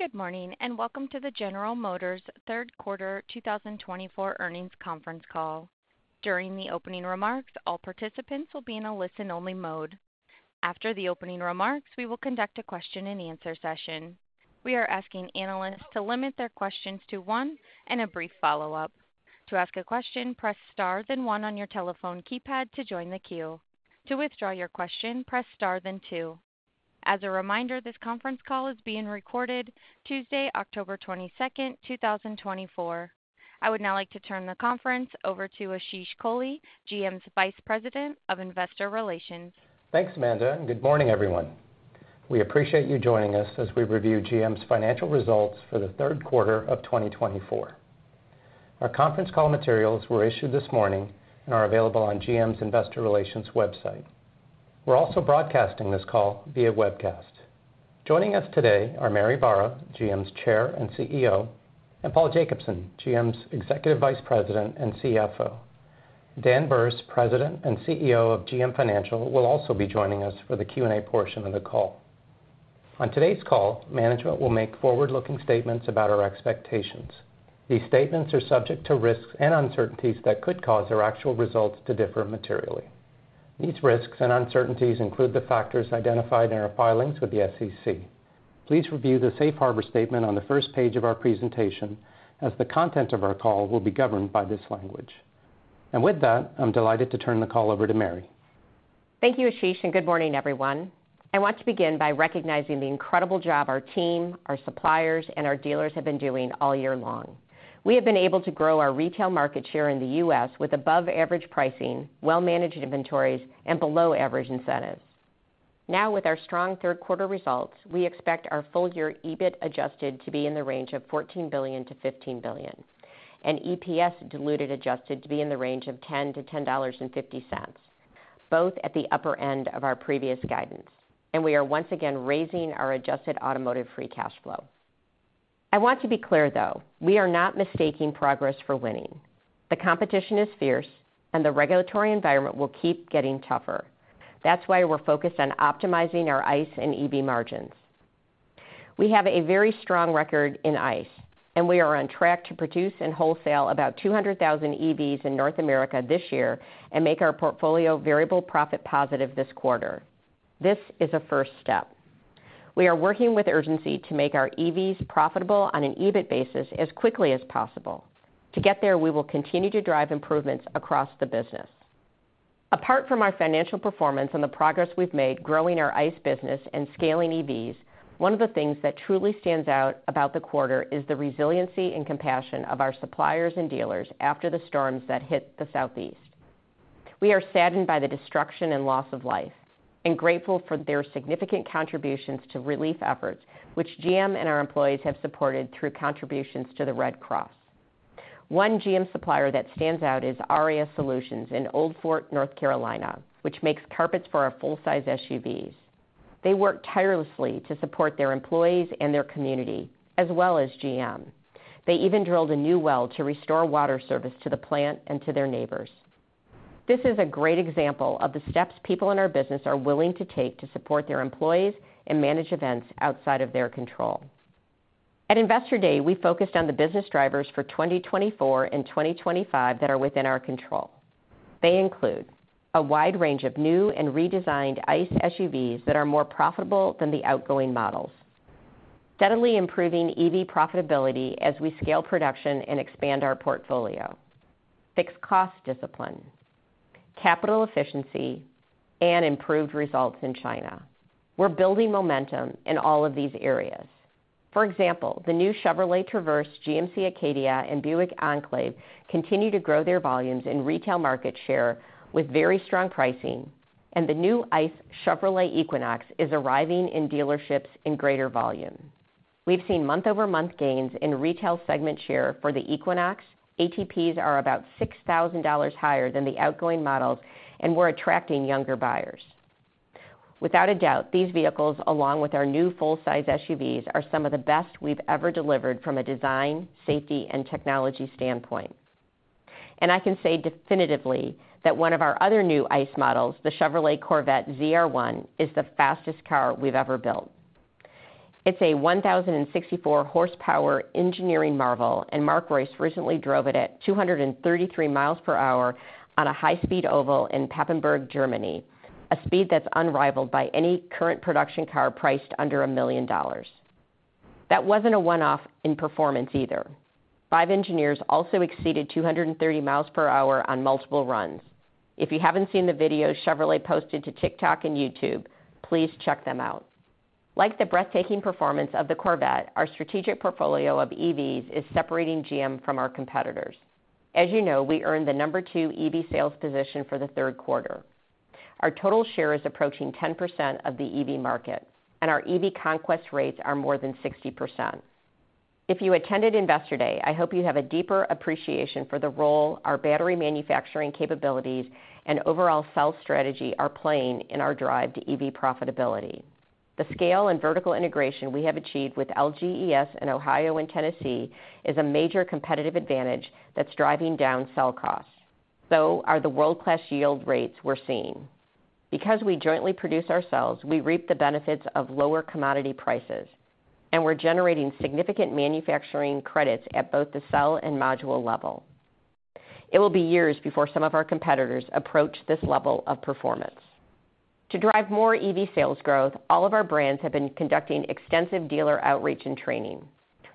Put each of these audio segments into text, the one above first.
Good morning, and welcome to the General Motors third quarter 2024 earnings conference call. During the opening remarks, all participants will be in a listen-only mode. After the opening remarks, we will conduct a question and answer session. We are asking analysts to limit their questions to one and a brief follow-up. To ask a question, press star, then one on your telephone keypad to join the queue. To withdraw your question, press star, then two. As a reminder, this conference call is being recorded Tuesday, October 22nd 2024. I would now like to turn the conference over to Ashish Kohli, GM's Vice President of Investor Relations. Thanks, Amanda, and good morning, everyone. We appreciate you joining us as we review GM's financial results for the third quarter of 2024. Our conference call materials were issued this morning and are available on GM's Investor Relations website. We're also broadcasting this call via webcast. Joining us today are Mary Barra, GM's Chair and CEO, and Paul Jacobson, GM's Executive Vice President and CFO. Dan Berce, President and CEO of GM Financial, will also be joining us for the Q&A portion of the call. On today's call, management will make forward-looking statements about our expectations. These statements are subject to risks and uncertainties that could cause our actual results to differ materially. These risks and uncertainties include the factors identified in our filings with the SEC. Please review the safe harbor statement on the first page of our presentation, as the content of our call will be governed by this language. And with that, I'm delighted to turn the call over to Mary. Thank you, Ashish, and good morning, everyone. I want to begin by recognizing the incredible job our team, our suppliers, and our dealers have been doing all year long. We have been able to grow our retail market share in the U.S. with above-average pricing, well-managed inventories, and below-average incentives. Now, with our strong third quarter results, we expect our full-year EBIT adjusted to be in the range of $14 billion-$15 billion, and EPS diluted adjusted to be in the range of $10-$10.50, both at the upper end of our previous guidance, and we are once again raising our adjusted automotive free cash flow. I want to be clear, though: we are not mistaking progress for winning. The competition is fierce, and the regulatory environment will keep getting tougher. That's why we're focused on optimizing our ICE and EV margins. We have a very strong record in ICE, and we are on track to produce and wholesale about 200,000 EVs in North America this year and make our portfolio variable profit positive this quarter. This is a first step. We are working with urgency to make our EVs profitable on an EBIT basis as quickly as possible. To get there, we will continue to drive improvements across the business. Apart from our financial performance and the progress we've made growing our ICE business and scaling EVs, one of the things that truly stands out about the quarter is the resiliency and compassion of our suppliers and dealers after the storms that hit the Southeast. We are saddened by the destruction and loss of life and grateful for their significant contributions to relief efforts, which GM and our employees have supported through contributions to the Red Cross. One GM supplier that stands out is Auria Solutions in Old Fort, North Carolina, which makes carpets for our full-size SUVs. They work tirelessly to support their employees and their community, as well as GM. They even drilled a new well to restore water service to the plant and to their neighbors. This is a great example of the steps people in our business are willing to take to support their employees and manage events outside of their control. At Investor Day, we focused on the business drivers for 2024 and 2025 that are within our control. They include a wide range of new and redesigned ICE SUVs that are more profitable than the outgoing models, steadily improving EV profitability as we scale production and expand our portfolio, fixed cost discipline, capital efficiency, and improved results in China. We're building momentum in all of these areas. For example, the new Chevrolet Traverse, GMC Acadia, and Buick Enclave continue to grow their volumes in retail market share with very strong pricing, and the new ICE Chevrolet Equinox is arriving in dealerships in greater volume. We've seen month-over-month gains in retail segment share for the Equinox. ATPs are about $6,000 higher than the outgoing models, and we're attracting younger buyers. Without a doubt, these vehicles, along with our new full-size SUVs, are some of the best we've ever delivered from a design, safety, and technology standpoint. And I can say definitively that one of our other new ICE models, the Chevrolet Corvette ZR1, is the fastest car we've ever built. It's a 1,064-horsepower engineering marvel, and Mark Reuss recently drove it at 233 mi per hour on a high-speed oval in Papenburg, Germany, a speed that's unrivaled by any current production car priced under $1 million. That wasn't a one-off in performance either. Five engineers also exceeded 230 mi per hour on multiple runs. If you haven't seen the videos Chevrolet posted to TikTok and YouTube, please check them out. Like the breathtaking performance of the Corvette, our strategic portfolio of EVs is separating GM from our competitors. As you know, we earned the number two EV sales position for the third quarter. Our total share is approaching 10% of the EV market, and our EV conquest rates are more than 60%. If you attended Investor Day, I hope you have a deeper appreciation for the role our battery manufacturing capabilities and overall sales strategy are playing in our drive to EV profitability. The scale and vertical integration we have achieved with LGES in Ohio and Tennessee is a major competitive advantage that's driving down cell costs. So are the world-class yield rates we're seeing? Because we jointly produce our cells, we reap the benefits of lower commodity prices, and we're generating significant manufacturing credits at both the cell and module level. It will be years before some of our competitors approach this level of performance. To drive more EV sales growth, all of our brands have been conducting extensive dealer outreach and training.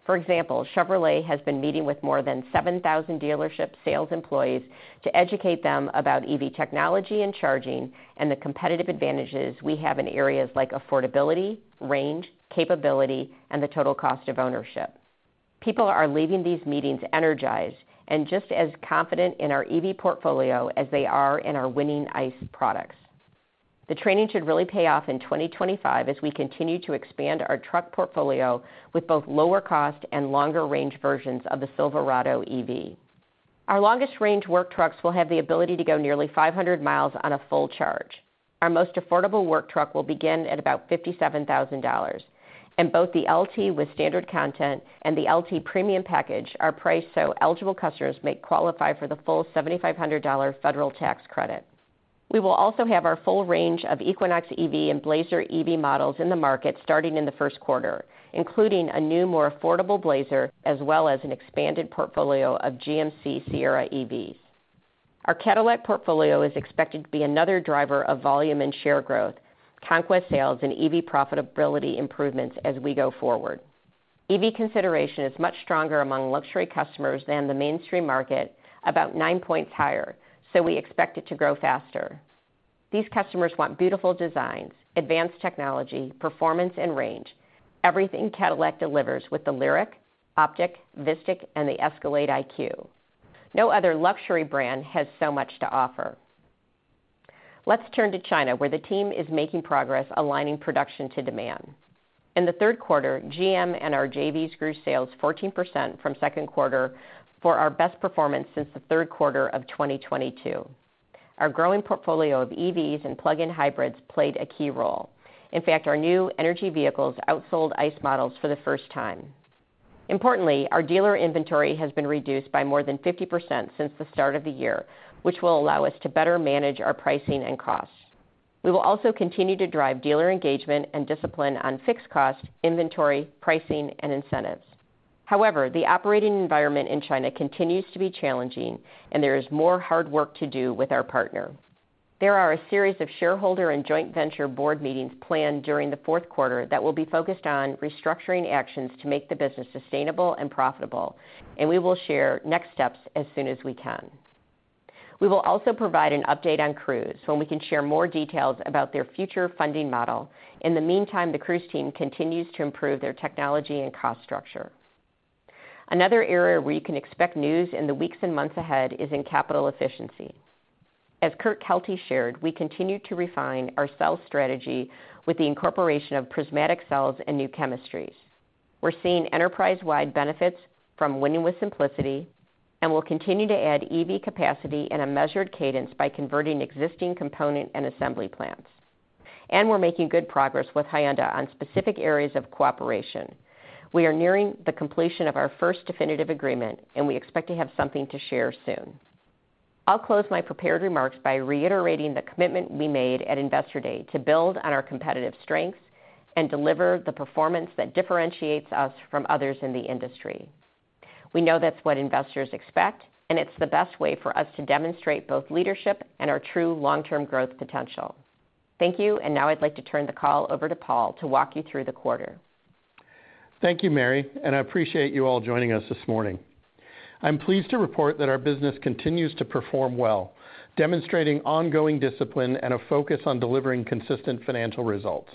For example, Chevrolet has been meeting with more than 7,000 dealership sales employees to educate them about EV technology and charging, and the competitive advantages we have in areas like affordability, range, capability, and the total cost of ownership. People are leaving these meetings energized and just as confident in our EV portfolio as they are in our winning ICE products. The training should really pay off in 2025 as we continue to expand our truck portfolio with both lower cost and longer range versions of the Silverado EV. Our longest range work trucks will have the ability to go nearly 500 mi on a full charge. Our most affordable work truck will begin at about $57,000, and both the LT with standard content and the LT Premium Package are priced so eligible customers may qualify for the full $7,500 federal tax credit. We will also have our full range of Equinox EV and Blazer EV models in the market starting in the first quarter, including a new, more affordable Blazer, as well as an expanded portfolio of GMC Sierra EVs. Our Cadillac portfolio is expected to be another driver of volume and share growth, conquest sales, and EV profitability improvements as we go forward. EV consideration is much stronger among luxury customers than the mainstream market, about nine points higher, so we expect it to grow faster. These customers want beautiful designs, advanced technology, performance, and range, everything Cadillac delivers with the LYRIQ, OPTIQ, VISTIQ, and the Escalade IQ. No other luxury brand has so much to offer. Let's turn to China, where the team is making progress, aligning production to demand. In the third quarter, GM and our JVs grew sales 14% from second quarter for our best performance since the third quarter of 2022. Our growing portfolio of EVs and plug-in hybrids played a key role. In fact, our new energy vehicles outsold ICE models for the first time. Importantly, our dealer inventory has been reduced by more than 50% since the start of the year, which will allow us to better manage our pricing and costs. We will also continue to drive dealer engagement and discipline on fixed cost, inventory, pricing, and incentives. However, the operating environment in China continues to be challenging, and there is more hard work to do with our partner. There are a series of shareholder and joint venture board meetings planned during the fourth quarter that will be focused on restructuring actions to make the business sustainable and profitable, and we will share next steps as soon as we can. We will also provide an update on Cruise when we can share more details about their future funding model. In the meantime, the Cruise team continues to improve their technology and cost structure. Another area where you can expect news in the weeks and months ahead is in capital efficiency. As Kurt Kelty shared, we continue to refine our sales strategy with the incorporation of prismatic cells and new chemistries. We're seeing enterprise-wide benefits from winning with simplicity, and we'll continue to add EV capacity in a measured cadence by converting existing component and assembly plants, and we're making good progress with Hyundai on specific areas of cooperation. We are nearing the completion of our first definitive agreement, and we expect to have something to share soon. I'll close my prepared remarks by reiterating the commitment we made at Investor Day to build on our competitive strengths and deliver the performance that differentiates us from others in the industry. We know that's what investors expect, and it's the best way for us to demonstrate both leadership and our true long-term growth potential. Thank you, and now I'd like to turn the call over to Paul to walk you through the quarter. Thank you, Mary, and I appreciate you all joining us this morning. I'm pleased to report that our business continues to perform well, demonstrating ongoing discipline and a focus on delivering consistent financial results.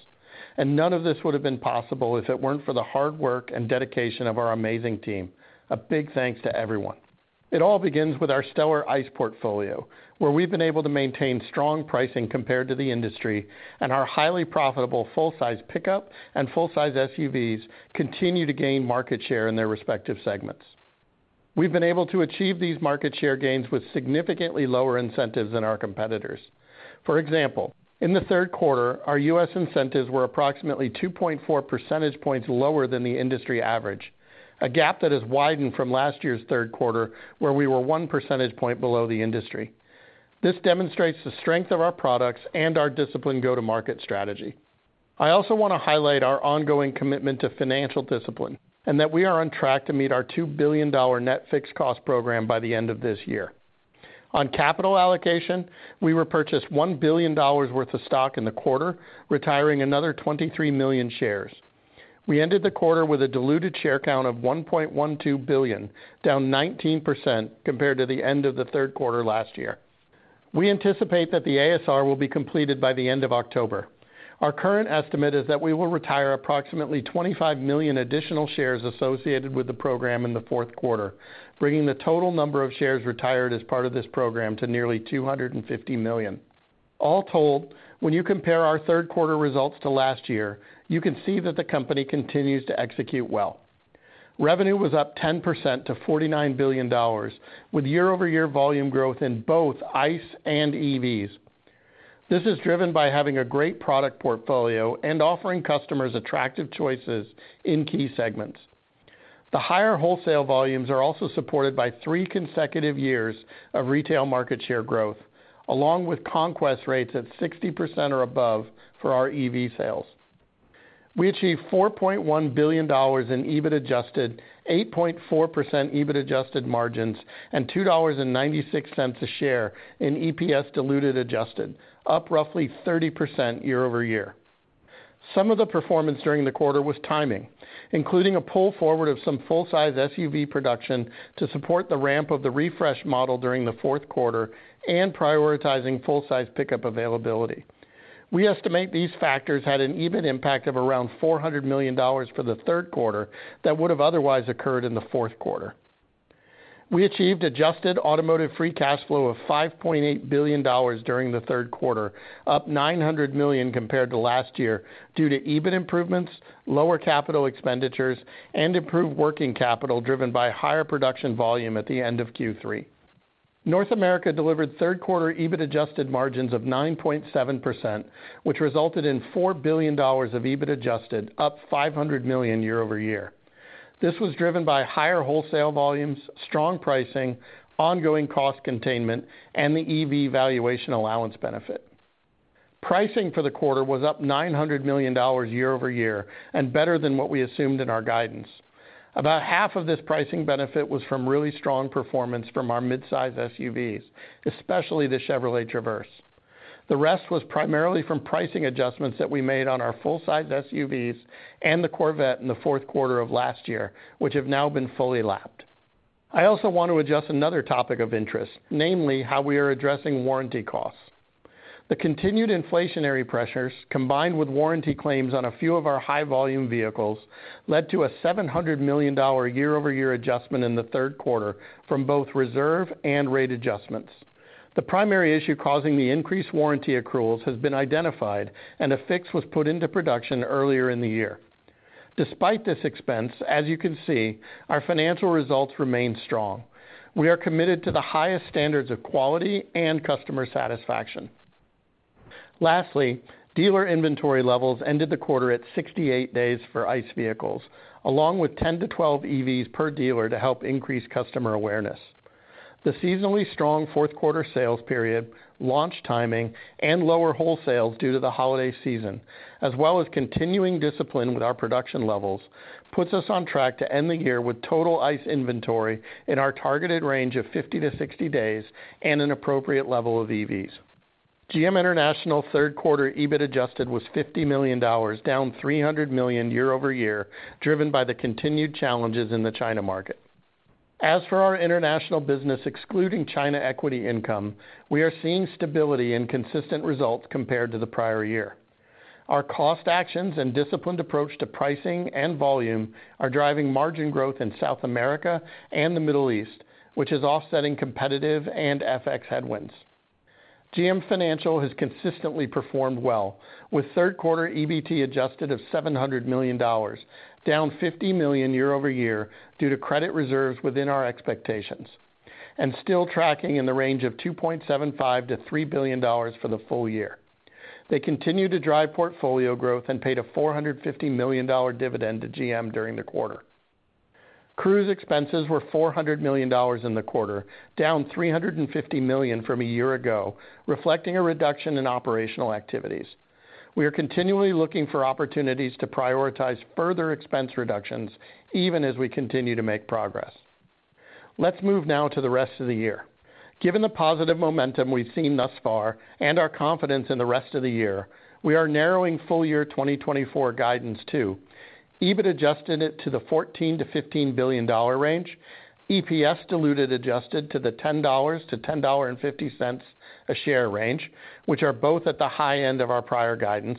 And none of this would have been possible if it weren't for the hard work and dedication of our amazing team. A big thanks to everyone. It all begins with our stellar ICE portfolio, where we've been able to maintain strong pricing compared to the industry, and our highly profitable full-size pickup and full-size SUVs continue to gain market share in their respective segments. We've been able to achieve these market share gains with significantly lower incentives than our competitors. For example, in the third quarter, our U.S. incentives were approximately 2.4 percentage points lower than the industry average, a gap that has widened from last year's third quarter, where we were 1 percentage point below the industry. This demonstrates the strength of our products and our disciplined go-to-market strategy. I also want to highlight our ongoing commitment to financial discipline, and that we are on track to meet our $2 billion net fixed cost program by the end of this year. On capital allocation, we repurchased $1 billion worth of stock in the quarter, retiring another 23 million shares. We ended the quarter with a diluted share count of 1.12 billion, down 19% compared to the end of the third quarter last year. We anticipate that the ASR will be completed by the end of October. Our current estimate is that we will retire approximately 25 million additional shares associated with the program in the fourth quarter, bringing the total number of shares retired as part of this program to nearly 250 million. All told, when you compare our third quarter results to last year, you can see that the company continues to execute well. Revenue was up 10% to $49 billion, with year-over-year volume growth in both ICE and EVs. This is driven by having a great product portfolio and offering customers attractive choices in key segments.... The higher wholesale volumes are also supported by three consecutive years of retail market share growth, along with conquest rates at 60% or above for our EV sales. We achieved $4.1 billion in EBIT adjusted, 8.4% EBIT adjusted margins, and $2.96 a share in EPS diluted adjusted, up roughly 30% year-over-year. Some of the performance during the quarter was timing, including a pull forward of some full-size SUV production to support the ramp of the refresh model during the fourth quarter and prioritizing full-size pickup availability. We estimate these factors had an EBIT impact of around $400 million for the third quarter that would have otherwise occurred in the fourth quarter. We achieved adjusted automotive free cash flow of $5.8 billion during the third quarter, up $900 million compared to last year, due to EBIT improvements, lower capital expenditures, and improved working capital, driven by higher production volume at the end of Q3. North America delivered third quarter EBIT adjusted margins of 9.7%, which resulted in $4 billion of EBIT adjusted, up $500 million year-over-year. This was driven by higher wholesale volumes, strong pricing, ongoing cost containment, and the EV valuation allowance benefit. Pricing for the quarter was up $900 million year-over-year and better than what we assumed in our guidance. About half of this pricing benefit was from really strong performance from our mid-size SUVs, especially the Chevrolet Traverse. The rest was primarily from pricing adjustments that we made on our full-size SUVs and the Corvette in the fourth quarter of last year, which have now been fully lapped. I also want to address another topic of interest, namely, how we are addressing warranty costs. The continued inflationary pressures, combined with warranty claims on a few of our high-volume vehicles, led to a $700 million year-over-year adjustment in the third quarter from both reserve and rate adjustments. The primary issue causing the increased warranty accruals has been identified, and a fix was put into production earlier in the year. Despite this expense, as you can see, our financial results remain strong. We are committed to the highest standards of quality and customer satisfaction. Lastly, dealer inventory levels ended the quarter at 68 days for ICE vehicles, along with 10 to 12 EVs per dealer to help increase customer awareness. The seasonally strong fourth quarter sales period, launch timing, and lower wholesales due to the holiday season, as well as continuing discipline with our production levels, puts us on track to end the year with total ICE inventory in our targeted range of 50 to 60 days and an appropriate level of EVs. GM International third quarter EBIT adjusted was $50 million, down $300 million year-over-year, driven by the continued challenges in the China market. As for our international business, excluding China equity income, we are seeing stability and consistent results compared to the prior year. Our cost actions and disciplined approach to pricing and volume are driving margin growth in South America and the Middle East, which is offsetting competitive and FX headwinds. GM Financial has consistently performed well, with third quarter EBT adjusted of $700 million, down $50 million year-over-year due to credit reserves within our expectations, and still tracking in the range of $2.75 billion-$3 billion for the full year. They continue to drive portfolio growth and paid a $450 million dividend to GM during the quarter. Cruise expenses were $400 million in the quarter, down $350 million from a year ago, reflecting a reduction in operational activities. We are continually looking for opportunities to prioritize further expense reductions, even as we continue to make progress. Let's move now to the rest of the year. Given the positive momentum we've seen thus far and our confidence in the rest of the year, we are narrowing full-year 2024 guidance to EBIT, adjusted it to the $14 billion-$15 billion range, EPS diluted adjusted to the $10-$10.50 a share range, which are both at the high end of our prior guidance,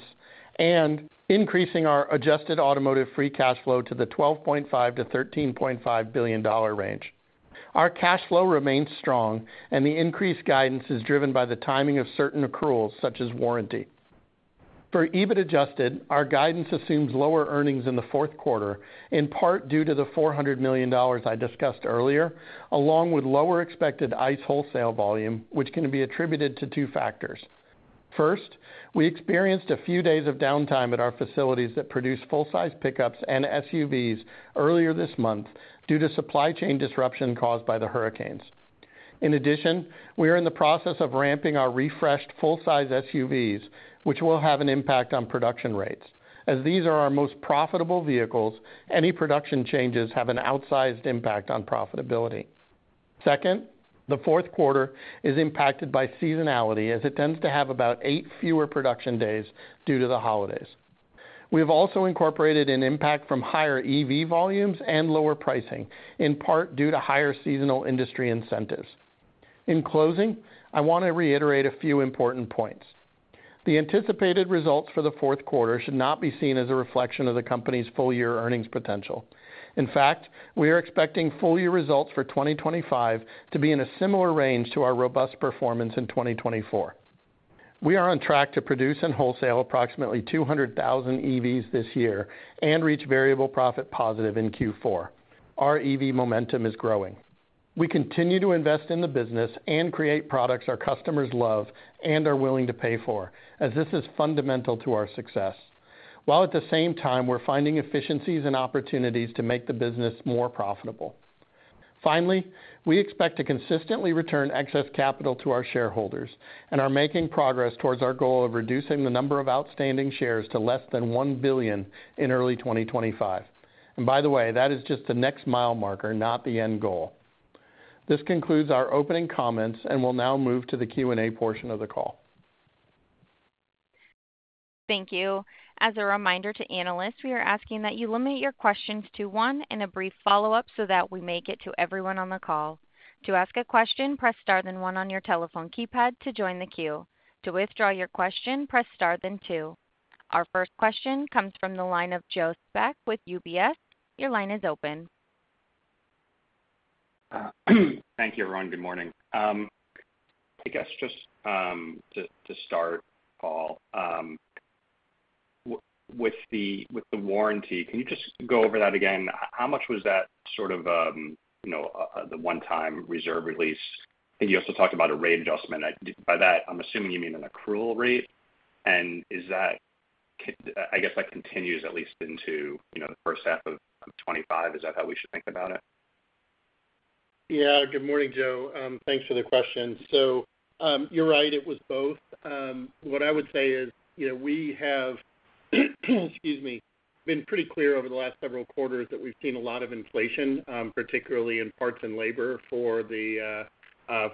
and increasing our adjusted automotive free cash flow to the $12.5 billion-$13.5 billion range. Our cash flow remains strong, and the increased guidance is driven by the timing of certain accruals, such as warranty. For EBIT adjusted, our guidance assumes lower earnings in the fourth quarter, in part due to the $400 million I discussed earlier, along with lower expected ICE wholesale volume, which can be attributed to two factors. First, we experienced a few days of downtime at our facilities that produce full-size pickups and SUVs earlier this month due to supply chain disruption caused by the hurricanes. In addition, we are in the process of ramping our refreshed full-size SUVs, which will have an impact on production rates. As these are our most profitable vehicles, any production changes have an outsized impact on profitability. Second, the fourth quarter is impacted by seasonality, as it tends to have about eight fewer production days due to the holidays. We have also incorporated an impact from higher EV volumes and lower pricing, in part due to higher seasonal industry incentives. In closing, I want to reiterate a few important points. The anticipated results for the fourth quarter should not be seen as a reflection of the company's full-year earnings potential. In fact, we are expecting full-year results for 2025 to be in a similar range to our robust performance in 2024. We are on track to produce and wholesale approximately 200,000 EVs this year and reach variable profit positive in Q4. Our EV momentum is growing. We continue to invest in the business and create products our customers love and are willing to pay for, as this is fundamental to our success. While at the same time, we're finding efficiencies and opportunities to make the business more profitable. Finally, we expect to consistently return excess capital to our shareholders and are making progress towards our goal of reducing the number of outstanding shares to less than one billion in early 2025. And by the way, that is just the next mile marker, not the end goal. This concludes our opening comments, and we'll now move to the Q&A portion of the call. Thank you. As a reminder to analysts, we are asking that you limit your questions to one and a brief follow-up so that we may get to everyone on the call. To ask a question, press Star, then one on your telephone keypad to join the queue. To withdraw your question, press star then two. Our first question comes from the line of Joe Spak with UBS. Your line is open. Thank you, everyone. Good morning. I guess just to start, Paul, with the warranty, can you just go over that again? How much was that sort of, you know, the one-time reserve release? I think you also talked about a rate adjustment. By that, I'm assuming you mean an accrual rate. And is that? I guess that continues at least into, you know, the first half of 2025. Is that how we should think about it? Yeah. Good morning, Joe. Thanks for the question. So, you're right, it was both. What I would say is, you know, we have, excuse me, been pretty clear over the last several quarters that we've seen a lot of inflation, particularly in parts and labor for the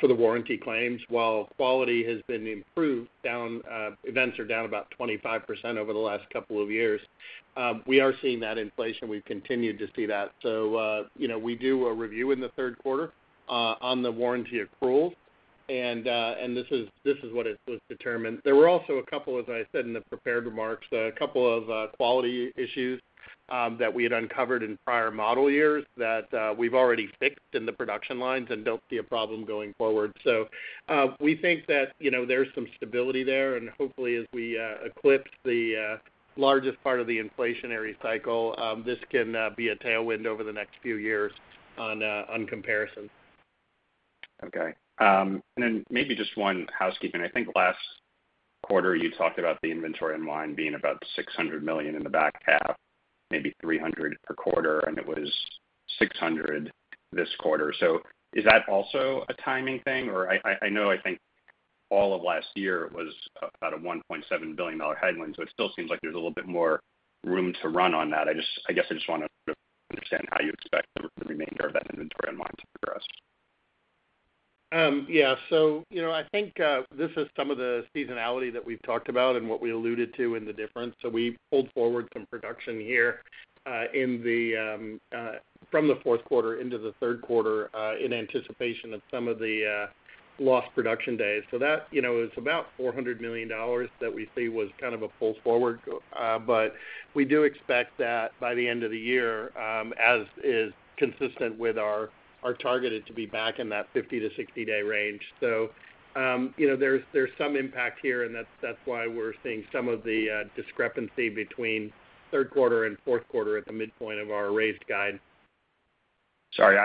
warranty claims. While quality has been improved, down events are down about 25% over the last couple of years. We are seeing that inflation. We've continued to see that. So, you know, we do a review in the third quarter on the warranty accruals, and this is what it was determined. There were also, as I said in the prepared remarks, a couple of quality issues that we had uncovered in prior model years that we've already fixed in the production lines and don't see a problem going forward. So, we think that, you know, there's some stability there, and hopefully, as we eclipse the largest part of the inflationary cycle, this can be a tailwind over the next few years on comparison. Okay. And then maybe just one housekeeping. I think last quarter, you talked about the inventory unwind being about $600 million in the back half, maybe $300 million per quarter, and it was $600 million this quarter. So is that also a timing thing? Or I know, I think all of last year was about a $1.7 billion headwind, so it still seems like there's a little bit more room to run on that. I just I guess I just want to understand how you expect the remainder of that inventory unwind to progress. Yeah. So you know, I think this is some of the seasonality that we've talked about and what we alluded to in the difference. So we pulled forward some production here from the fourth quarter into the third quarter in anticipation of some of the lost production days. So that, you know, is about $400 million that we see was kind of a pull forward. But we do expect that by the end of the year, as is consistent with our targeted to be back in that 50-60-day range. So you know, there's some impact here, and that's why we're seeing some of the discrepancy between third quarter and fourth quarter at the midpoint of our raised guide. Sorry,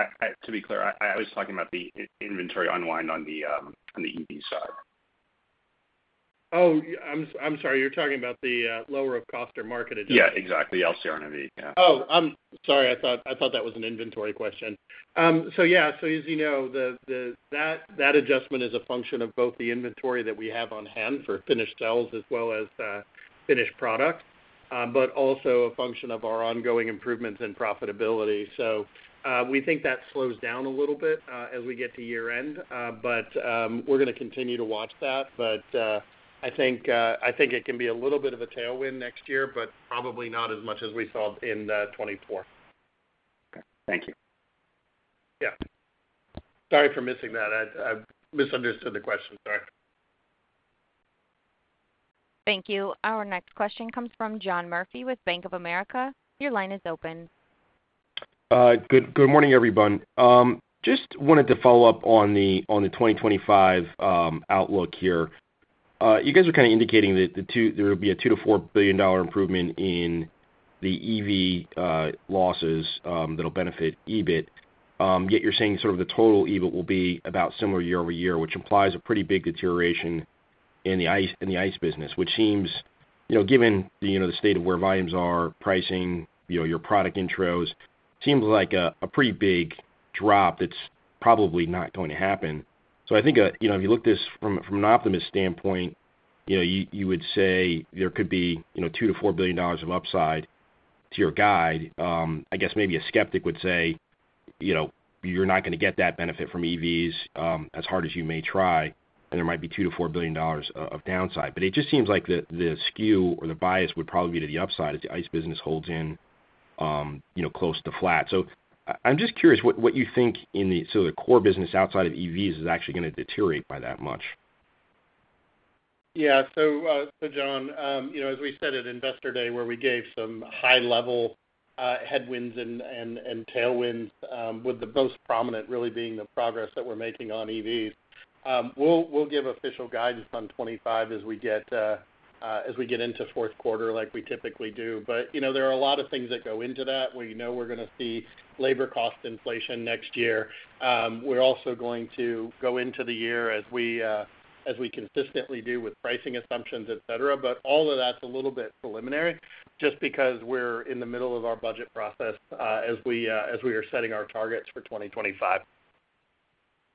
to be clear, I was talking about the inventory unwind on the EV side. Oh, I'm, I'm sorry. You're talking about the lower of cost or market adjustment. Yeah, exactly. LCNRV, yeah. Oh, I'm sorry. I thought, I thought that was an inventory question. So yeah, so as you know, that adjustment is a function of both the inventory that we have on hand for finished sales as well as finished product, but also a function of our ongoing improvements in profitability. So we think that slows down a little bit as we get to year-end, but we're going to continue to watch that. But I think it can be a little bit of a tailwind next year, but probably not as much as we saw in 2024. Okay. Thank you. Yeah. Sorry for missing that. I misunderstood the question. Sorry. Thank you. Our next question comes from John Murphy with Bank of America. Your line is open. Good morning, everyone. Just wanted to follow up on the 2025 outlook here. You guys are kind of indicating that there will be a $2 billion-4 billion improvement in the EV losses that'll benefit EBIT. Yet you're saying sort of the total EBIT will be about similar year-over-year, which implies a pretty big deterioration in the ICE business, which seems, you know, given the state of where volumes are, pricing, you know, your product intros, seems like a pretty big drop that's probably not going to happen. So I think, you know, if you look at this from an optimist standpoint, you know, you would say there could be $2 billion-4 billion of upside to your guide. I guess maybe a skeptic would say, you know, you're not going to get that benefit from EVs, as hard as you may try, and there might be $2 billion-4 billion of downside. But it just seems like the, the skew or the bias would probably be to the upside as the ICE business holds in, you know, close to flat. So I'm just curious what, what you think in the so the core business outside of EVs is actually going to deteriorate by that much. Yeah. So, John, you know, as we said at Investor Day, where we gave some high-level headwinds and tailwinds, with the most prominent really being the progress that we're making on EVs. We'll give official guidance on 2025 as we get into fourth quarter like we typically do. But, you know, there are a lot of things that go into that. We know we're gonna see labor cost inflation next year. We're also going to go into the year as we consistently do with pricing assumptions, et cetera. But all of that's a little bit preliminary, just because we're in the middle of our budget process, as we are setting our targets for 2025.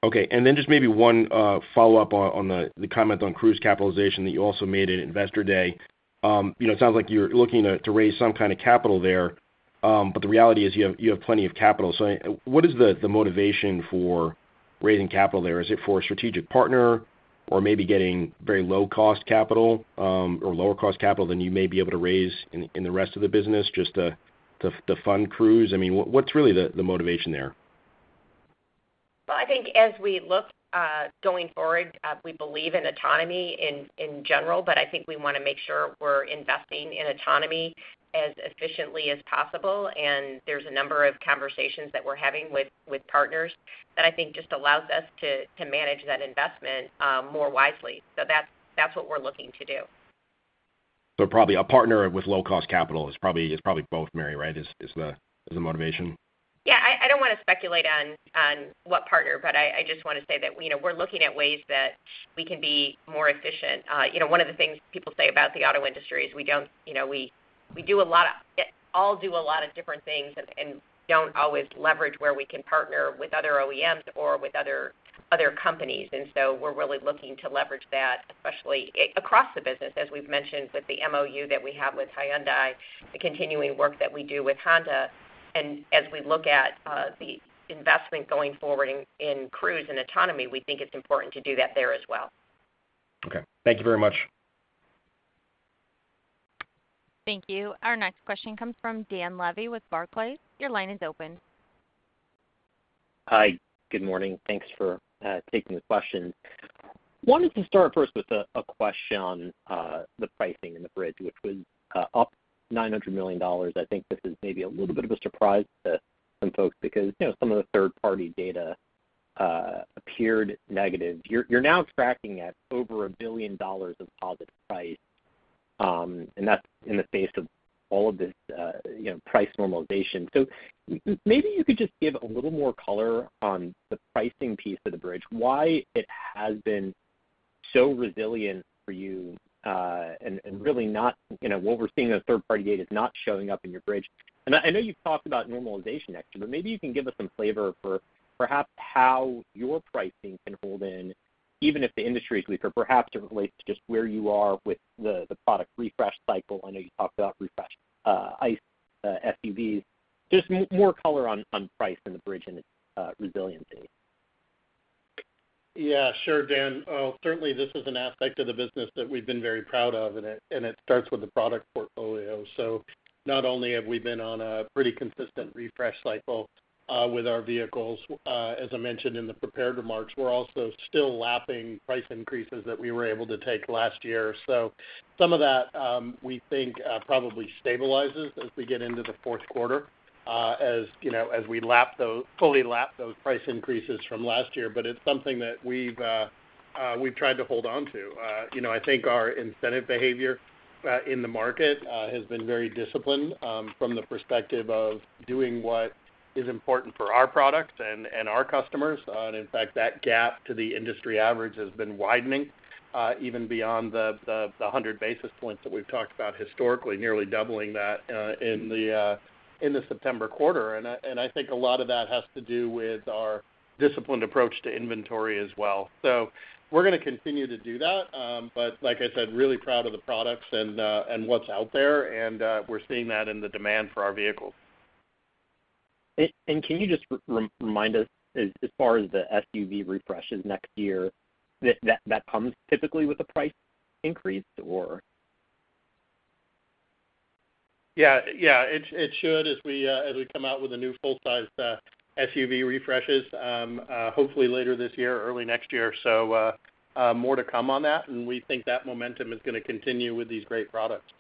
Okay. And then just maybe one follow-up on the comment on Cruise capitalization that you also made at Investor Day. You know, it sounds like you're looking to raise some kind of capital there, but the reality is you have plenty of capital. So what is the motivation for raising capital there? Is it for a strategic partner or maybe getting very low-cost capital, or lower-cost capital than you may be able to raise in the rest of the business just to fund Cruise? I mean, what's really the motivation there? I think as we look going forward, we believe in autonomy in general, but I think we want to make sure we're investing in autonomy as efficiently as possible. There's a number of conversations that we're having with partners that I think just allows us to manage that investment more wisely. That's what we're looking to do. So probably a partner with low-cost capital is probably. It's probably both, Mary, right? Is the motivation. Yeah, I don't want to speculate on what partner, but I just want to say that, you know, we're looking at ways that we can be more efficient. You know, one of the things people say about the auto industry is we don't, you know, we do a lot of different things and don't always leverage where we can partner with other OEMs or with other companies. And so we're really looking to leverage that, especially across the business, as we've mentioned, with the MOU that we have with Hyundai, the continuing work that we do with Honda. And as we look at the investment going forward in cruise and autonomy, we think it's important to do that there as well. Okay. Thank you very much. Thank you. Our next question comes from Dan Levy with Barclays. Your line is open. Hi, good morning. Thanks for taking the question. Wanted to start first with a question on the pricing in the bridge, which was up $900 million. I think this is maybe a little bit of a surprise to some folks because, you know, some of the third-party data appeared negative. You're now tracking at over $1 billion of positive price, and that's in the face of all of this, you know, price normalization. So maybe you could just give a little more color on the pricing piece of the bridge, why it has been so resilient for you, and really not, you know, what we're seeing as third-party data is not showing up in your bridge. And I know you've talked about normalization next year, but maybe you can give us some flavor for perhaps how your pricing can hold in, even if the industry is weaker, perhaps it relates to just where you are with the product refresh cycle. I know you talked about refresh ICE SUVs. Just more color on price and the bridge and resiliency. Yeah, sure, Dan. Certainly, this is an aspect of the business that we've been very proud of, and it starts with the product portfolio. So not only have we been on a pretty consistent refresh cycle with our vehicles, as I mentioned in the prepared remarks, we're also still lapping price increases that we were able to take last year. So some of that, we think, probably stabilizes as we get into the fourth quarter, as you know, as we fully lap those price increases from last year. But it's something that we've tried to hold on to. You know, I think our incentive behavior in the market has been very disciplined from the perspective of doing what is important for our products and our customers. And in fact, that gap to the industry average has been widening, even beyond the 100 basis points that we've talked about historically, nearly doubling that, in the September quarter. And I think a lot of that has to do with our disciplined approach to inventory as well. So we're gonna continue to do that, but like I said, really proud of the products and what's out there, and we're seeing that in the demand for our vehicles. Can you just remind us, as far as the SUV refresh is next year, that comes typically with a price increase or? Yeah, yeah, it should as we come out with a new full-sized SUV refreshes, hopefully later this year, early next year. So, more to come on that, and we think that momentum is gonna continue with these great products.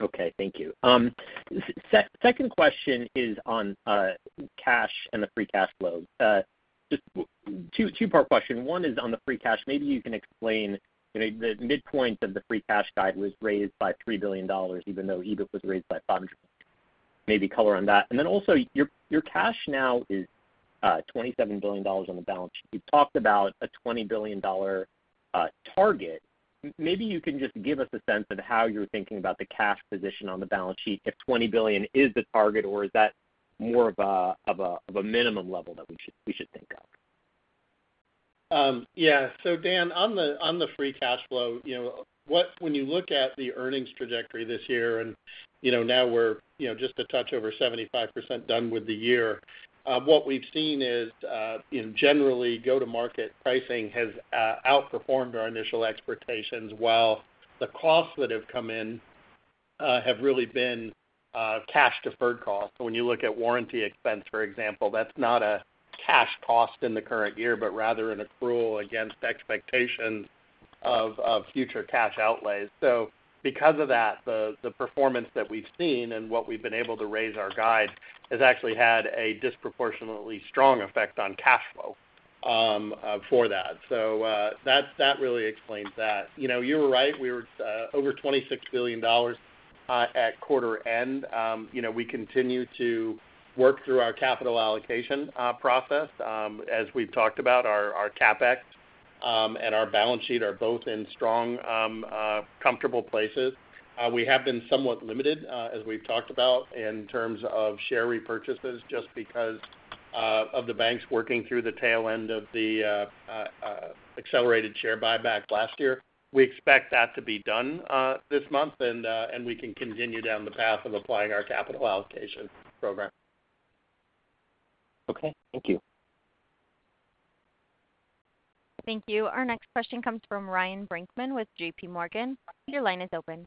Okay, thank you. Second question is on cash and the free cash flow. Just two-part question. One is on the free cash. Maybe you can explain, you know, the midpoint of the free cash guide was raised by $3 billion, even though EBIT was raised by 500. Maybe color on that. And then also, your cash now is $27 billion on the balance sheet. You've talked about a $20 billion target. Maybe you can just give us a sense of how you're thinking about the cash position on the balance sheet, if $20 billion is the target, or is that more of a minimum level that we should think of? Yeah. So Dan, on the free cash flow, when you look at the earnings trajectory this year, and now we're just a touch over 75% done with the year, what we've seen is, you know, generally, go-to-market pricing has outperformed our initial expectations, while the costs that have come in have really been cash-deferred costs. So when you look at warranty expense, for example, that's not a cash cost in the current year, but rather an accrual against expectations of future cash outlays. So because of that, the performance that we've seen and what we've been able to raise our guide has actually had a disproportionately strong effect on cash flow for that. So that really explains that. You know, you were right, we were over $26 billion at quarter end. You know, we continue to work through our capital allocation process. As we've talked about, our CapEx and our balance sheet are both in strong comfortable places. We have been somewhat limited, as we've talked about, in terms of share repurchases, just because of the banks working through the tail end of the accelerated share buyback last year. We expect that to be done this month, and we can continue down the path of applying our capital allocation program. Okay. Thank you. Thank you. Our next question comes from Ryan Brinkman with JPMorgan. Your line is open.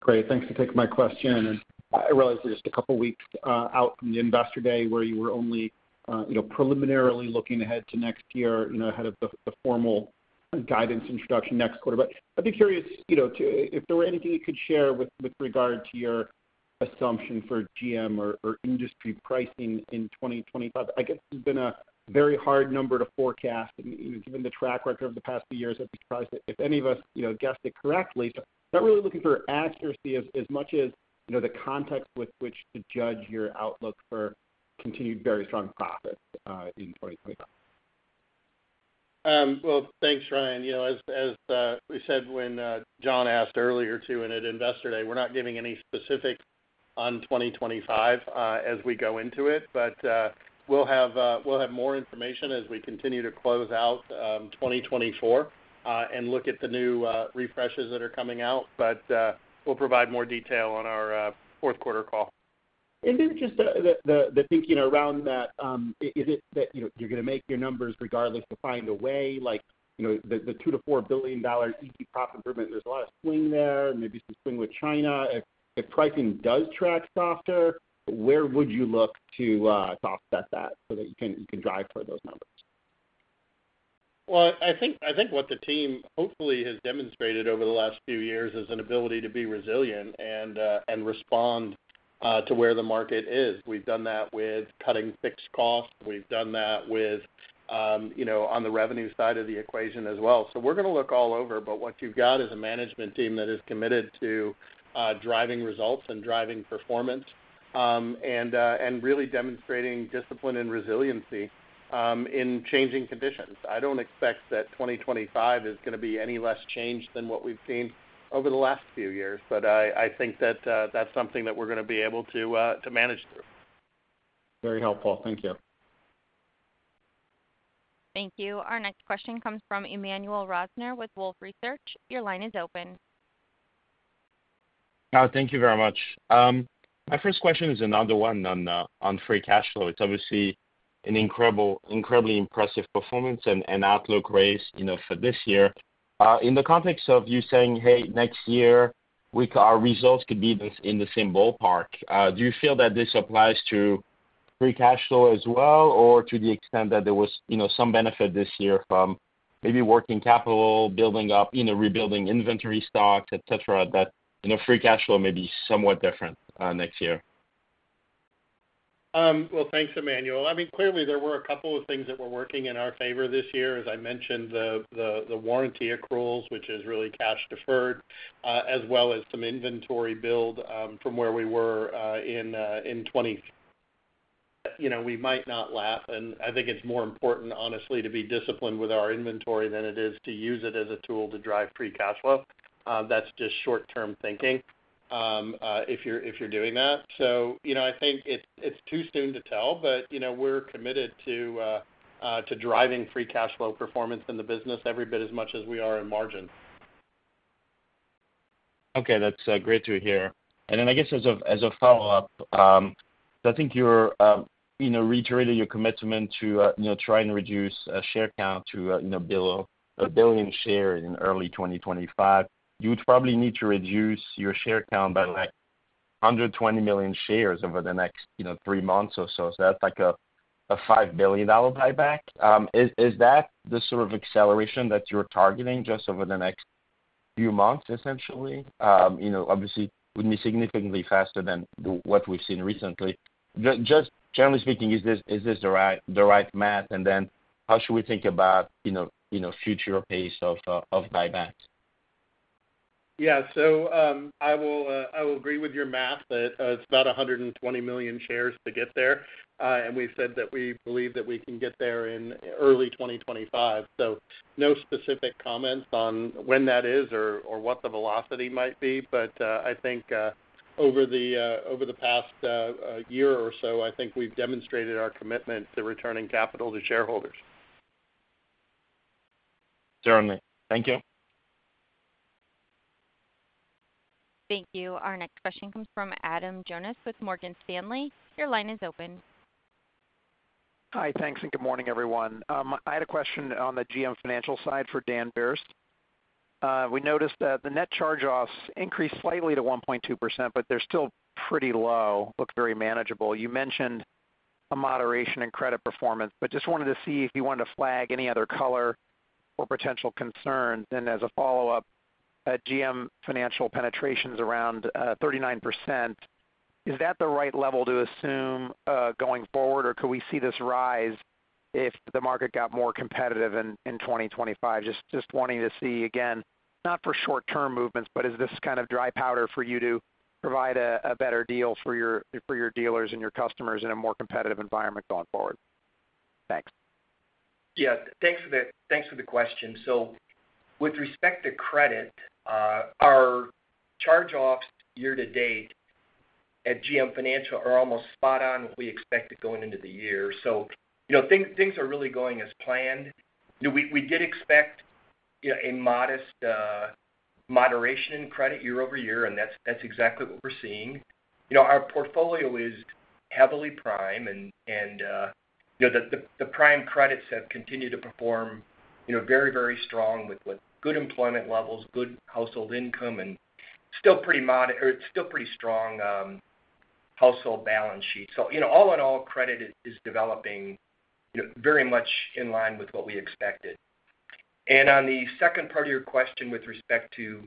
Great. Thanks for taking my question. I realize we're just a couple of weeks out from the Investor Day, where you were only you know, preliminarily looking ahead to next year, you know, ahead of the formal guidance introduction next quarter. But I'd be curious, you know, to if there were anything you could share with regard to your assumption for GM or industry pricing in 2025. I guess it's been a very hard number to forecast, and given the track record over the past few years, I'd be surprised if any of us you know, guessed it correctly. So not really looking for accuracy as much as you know, the context with which to judge your outlook for continued very strong profits in 2025. Thanks, Ryan. You know, as we said when John asked earlier, too, and at Investor Day, we're not giving any specifics on 2025 as we go into it. But we'll have more information as we continue to close out 2024 and look at the new refreshes that are coming out. But we'll provide more detail on our fourth quarter call. And then just the thinking around that, is it that, you know, you're going to make your numbers regardless to find a way, like, you know, the $2 billion-$4 billion EBIT profit improvement, there's a lot of swing there, maybe some swing with China. If pricing does track softer, where would you look to offset that so that you can drive toward those numbers? I think what the team hopefully has demonstrated over the last few years is an ability to be resilient and respond to where the market is. We've done that with cutting fixed costs. We've done that with, you know, on the revenue side of the equation as well. So we're going to look all over, but what you've got is a management team that is committed to driving results and driving performance, and really demonstrating discipline and resiliency in changing conditions. I don't expect that 2025 is going to be any less changed than what we've seen over the last few years, but I think that that's something that we're going to be able to manage through. Very helpful. Thank you. Thank you. Our next question comes from Emmanuel Rosner with Wolfe Research. Your line is open. Thank you very much. My first question is another one on free cash flow. It's obviously incredibly impressive performance and outlook raise, you know, for this year. In the context of you saying, "Hey, next year, we our results could be in the same ballpark," do you feel that this applies to free cash flow as well, or to the extent that there was, you know, some benefit this year from maybe working capital, building up, you know, rebuilding inventory stocks, et cetera, that, you know, free cash flow may be somewhat different next year? Well, thanks, Emmanuel. I mean, clearly, there were a couple of things that were working in our favor this year. As I mentioned, the warranty accruals, which is really cash deferred, as well as some inventory build, from where we were, in 2020. You know, we might not laugh, and I think it's more important, honestly, to be disciplined with our inventory than it is to use it as a tool to drive free cash flow. That's just short-term thinking, if you're doing that. So, you know, I think it's too soon to tell, but, you know, we're committed to driving free cash flow performance in the business every bit as much as we are in margin. Okay. That's great to hear. And then I guess as a follow-up, I think you're you know, reiterating your commitment to you know, try and reduce share count to you know, below a billion share in early 2025. You would probably need to reduce your share count by like, 120 million shares over the next you know, three months or so. So that's like a $5 billion buyback. Is that the sort of acceleration that you're targeting just over the next few months, essentially? You know, obviously, it would be significantly faster than what we've seen recently. Just generally speaking, is this the right math? And then how should we think about you know, future pace of buybacks? Yeah. So I will agree with your math that it's about 120 million shares to get there. And we've said that we believe that we can get there in early 2025. No specific comments on when that is or what the velocity might be, but I think over the past year or so, I think we've demonstrated our commitment to returning capital to shareholders. Certainly. Thank you. Thank you. Our next question comes from Adam Jonas with Morgan Stanley. Your line is open. Hi, thanks, and good morning, everyone. I had a question on the GM Financial side for Dan Berce. We noticed that the net charge-offs increased slightly to 1.2%, but they're still pretty low, look very manageable. You mentioned a moderation in credit performance, but just wanted to see if you wanted to flag any other color or potential concerns. And as a follow-up, at GM Financial penetrations around 39%, is that the right level to assume going forward, or could we see this rise if the market got more competitive in 2025? Just wanting to see again, not for short-term movements, but is this kind of dry powder for you to provide a better deal for your dealers and your customers in a more competitive environment going forward? Thanks. Yeah, thanks for the, thanks for the question. So with respect to credit, our charge-offs year to date at GM Financial are almost spot on what we expected going into the year. So you know, things, things are really going as planned. You know, we did expect, you know, a modest moderation in credit year-over-year, and that's exactly what we're seeing. You know, our portfolio is heavily prime, and, and, you know, the prime credits have continued to perform, you know, very, very strong with, with good employment levels, good household income, and still pretty strong household balance sheet. So, you know, all in all, credit is developing, you know, very much in line with what we expected. And on the second part of your question, with respect to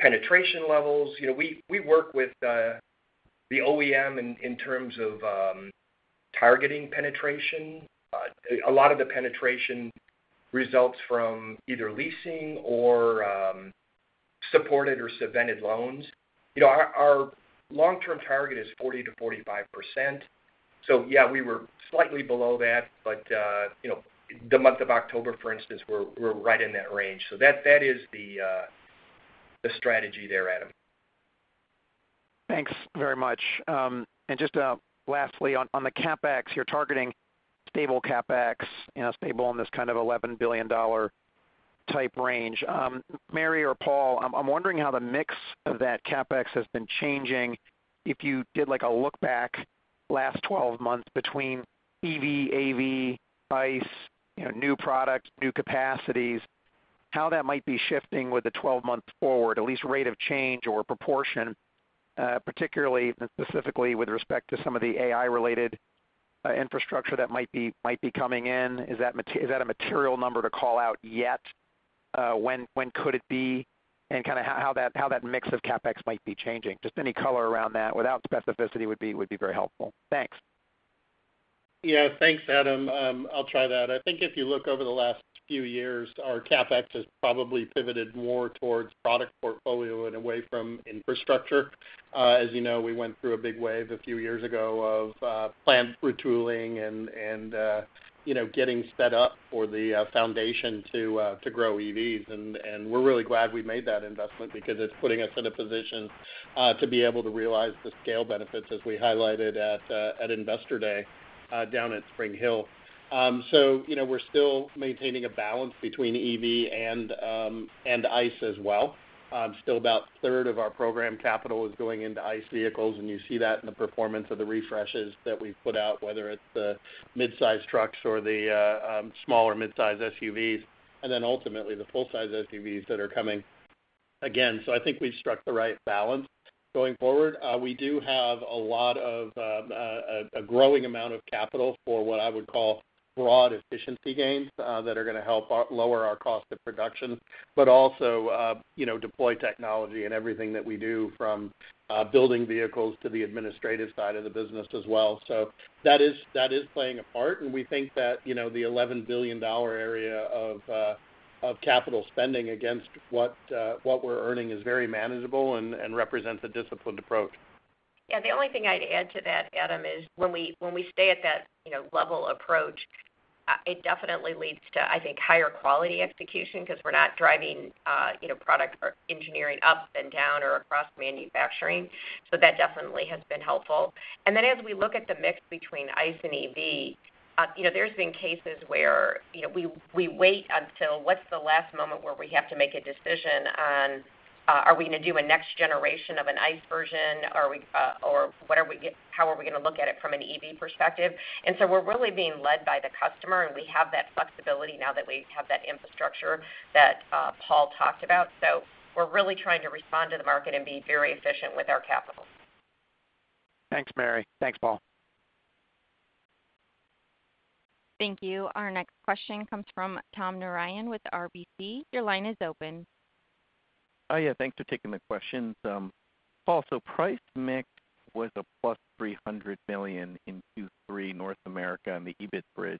penetration levels, you know, we work with the OEM in terms of targeting penetration. A lot of the penetration results from either leasing or supported or subvented loans. You know, our long-term target is 40%-45%. So yeah, we were slightly below that, but you know, the month of October, for instance, we're right in that range. So that is the strategy there, Adam. Thanks very much and just lastly, on the CapEx, you're targeting stable CapEx, you know, stable in this kind of $11 billion type range. Mary or Paul, I'm wondering how the mix of that CapEx has been changing. If you did like a look back last 12 months between EV, AV, ICE, you know, new products, new capacities, how that might be shifting with the 12 months forward, at least rate of change or proportion, particularly and specifically with respect to some of the AI-related infrastructure that might be coming in. Is that a material number to call out yet? When could it be, and kind of how that mix of CapEx might be changing? Just any color around that, without specificity, would be very helpful. Thanks. Yeah. Thanks, Adam. I'll try that. I think if you look over the last few years, our CapEx has probably pivoted more towards product portfolio and away from infrastructure. As you know, we went through a big wave a few years ago of plant retooling and, you know, getting sped up for the foundation to grow EVs. We're really glad we made that investment because it's putting us in a position to be able to realize the scale benefits as we highlighted at Investor Day down at Spring Hill. You know, we're still maintaining a balance between EV and ICE as well. Still about a third of our program capital is going into ICE vehicles, and you see that in the performance of the refreshes that we've put out, whether it's the midsize trucks or the smaller midsize SUVs, and then ultimately the full size SUVs that are coming again. So I think we've struck the right balance going forward. We do have a lot of a growing amount of capital for what I would call broad efficiency gains that are gonna help lower our cost of production, but also you know deploy technology in everything that we do from building vehicles to the administrative side of the business as well. So that is playing a part, and we think that, you know, the $11 billion area of capital spending against what we're earning is very manageable and represents a disciplined approach. Yeah, the only thing I'd add to that, Adam, is when we stay at that, you know, level approach, it definitely leads to, I think, higher quality execution because we're not driving, you know, product or engineering up and down or across manufacturing. So that definitely has been helpful. And then as we look at the mix between ICE and EV, you know, there's been cases where, you know, we wait until what's the last moment where we have to make a decision on, are we gonna do a next generation of an ICE version? Are we, or what are we- how are we gonna look at it from an EV perspective? And so we're really being led by the customer, and we have that flexibility now that we have that infrastructure that, Paul talked about. So we're really trying to respond to the market and be very efficient with our capital. Thanks, Mary. Thanks, Paul. Thank you. Our next question comes from Tom Narayan with RBC. Your line is open. Oh, yeah, thanks for taking the questions. Paul, so price mix was a plus $300 million in Q3 North America on the EBIT bridge.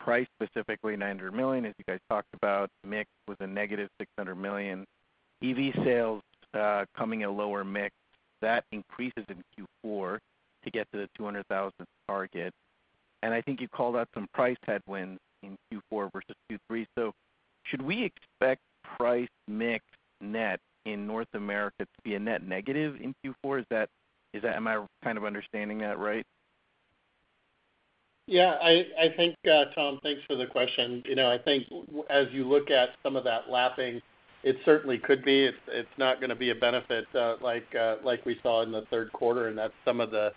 Price, specifically $900 million, as you guys talked about, mix was a -$600 million. EV sales coming at lower mix, that increases in Q4 to get to the 200,000 target. And I think you called out some price headwinds in Q4 versus Q3. So should we expect price mix net in North America to be a net negative in Q4? Am I kind of understanding that right? Yeah, I think, Tom, thanks for the question. You know, I think as you look at some of that lapping, it certainly could be. It's not gonna be a benefit, like we saw in the third quarter, and that's some of the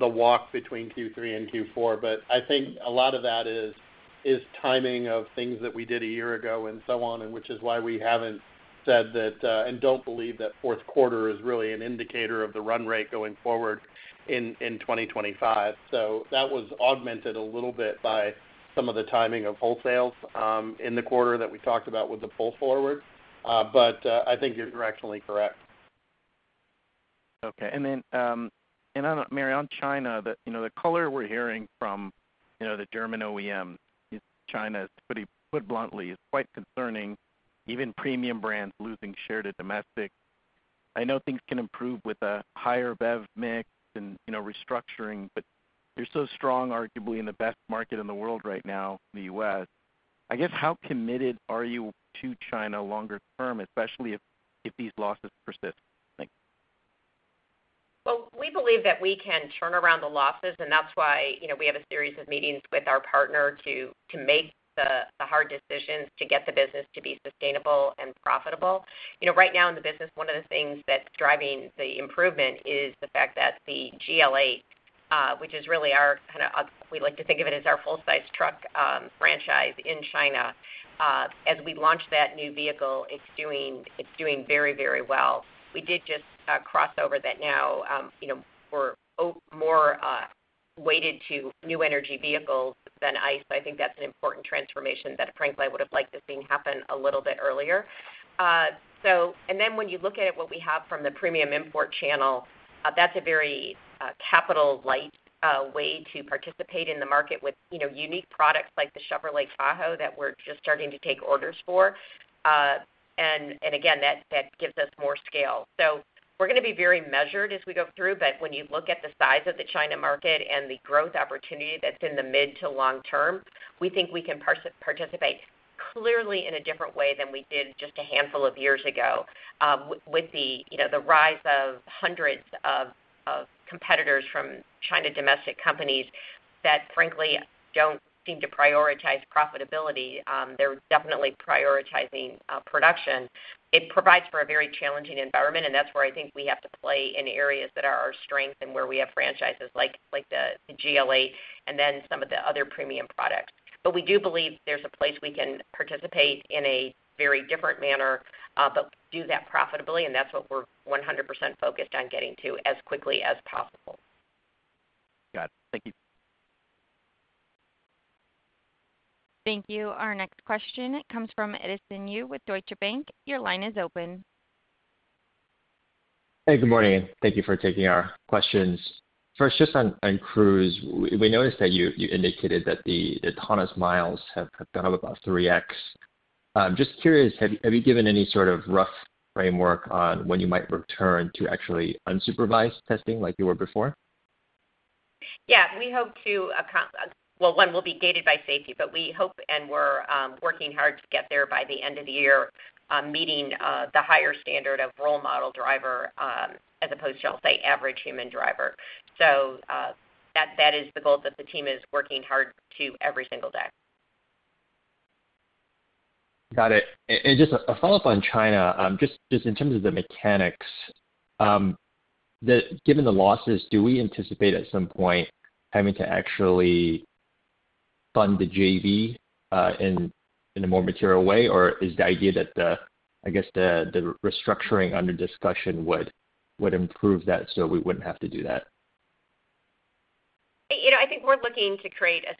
walk between Q3 and Q4. But I think a lot of that is timing of things that we did a year ago and so on, and which is why we haven't said that and don't believe that fourth quarter is really an indicator of the run rate going forward in 2025. So that was augmented a little bit by some of the timing of wholesales in the quarter that we talked about with the pull forward. But I think you're directionally correct. Okay. And then, Mary, on China, the, you know, the color we're hearing from, you know, the German OEM in China is pretty, put bluntly, is quite concerning. Even premium brands losing share to domestic. I know things can improve with a higher BEV mix and, you know, restructuring, but you're so strong, arguably, in the best market in the world right now, the U.S. I guess, how committed are you to China longer term, especially if these losses persist? Thanks. Well, we believe that we can turn around the losses, and that's why, you know, we have a series of meetings with our partner to make the hard decisions to get the business to be sustainable and profitable. You know, right now in the business, one of the things that's driving the improvement is the fact that the GL8, which is really our, kind of... We like to think of it as our full-size truck franchise in China. As we launch that new vehicle, it's doing very, very well. We did just cross over that now, you know, we're more weighted to new energy vehicles than ICE. I think that's an important transformation that, frankly, I would have liked to have seen happen a little bit earlier. And then when you look at what we have from the premium import channel, that's a very capital-light way to participate in the market with, you know, unique products like the Chevrolet Tahoe that we're just starting to take orders for. And again, that gives us more scale. We're gonna be very measured as we go through, but when you look at the size of the China market and the growth opportunity that's in the mid- to long-term, we think we can participate clearly in a different way than we did just a handful of years ago. With the, you know, the rise of hundreds of competitors from China, domestic companies that, frankly, don't seem to prioritize profitability, they're definitely prioritizing production. It provides for a very challenging environment, and that's where I think we have to play in areas that are our strength and where we have franchises like the GL8 and then some of the other premium products. But we do believe there's a place we can participate in a very different manner, but do that profitably, and that's what we're 100% focused on getting to as quickly as possible. Got it. Thank you. Thank you. Our next question comes from Edison Yu with Deutsche Bank. Your line is open. Hey, good morning. Thank you for taking our questions. First, just on Cruise, we noticed that you indicated that the autonomous miles have gone up about 3x. Just curious, have you given any sort of rough framework on when you might return to actually unsupervised testing like you were before? Yeah, we hope to, well, one, we'll be gated by safety, but we hope and we're working hard to get there by the end of the year, meeting the higher standard of role model driver, as opposed to, I'll say, average human driver. So, that is the goal that the team is working hard to every single day. Got it. And just a follow-up on China, just in terms of the mechanics, given the losses, do we anticipate at some point having to actually fund the JV in a more material way? Or is the idea that, I guess, the restructuring under discussion would improve that, so we wouldn't have to do that? You know, I think we're looking to create a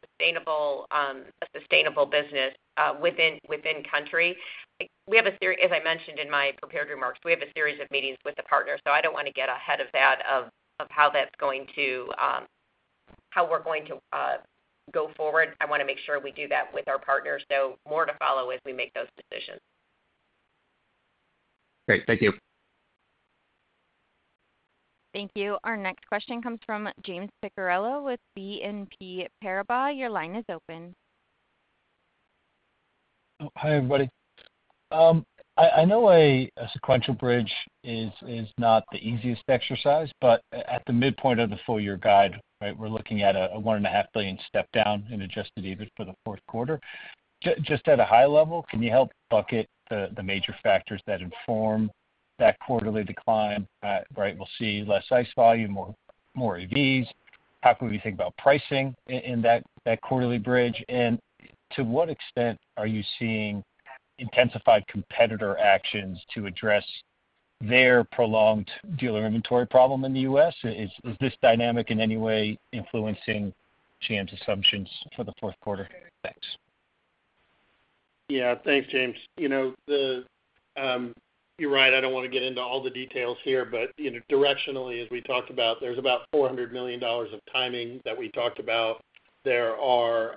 sustainable business within country. As I mentioned in my prepared remarks, we have a series of meetings with the partner, so I don't wanna get ahead of that, of how that's going to, how we're going to go forward. I wanna make sure we do that with our partners, so more to follow as we make those decisions. Great. Thank you. Thank you. Our next question comes from James Picariello with BNP Paribas. Your line is open. Oh, hi, everybody. I know a sequential bridge is not the easiest exercise, but at the midpoint of the full year guide, right, we're looking at a $1.5 billion step down in adjusted EBIT for the fourth quarter. Just at a high level, can you help bucket the major factors that inform that quarterly decline? Right, we'll see less ICE volume, more EVs. How can we think about pricing in that quarterly bridge? And to what extent are you seeing intensified competitor actions to address their prolonged dealer inventory problem in the U.S.? Is this dynamic in any way influencing GM's assumptions for the fourth quarter? Thanks. Yeah, thanks, James. You know, you're right, I don't want to get into all the details here, but, you know, directionally, as we talked about, there's about $400 million of timing that we talked about. There are,